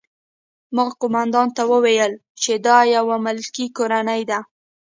ما قومندان ته وویل چې دا یوه ملکي کورنۍ ده